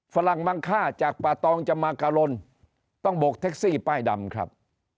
ฝรั่งมังค่าจากป่าตองจะมากะลนต้องบกแท็กซี่ป้ายดำครับ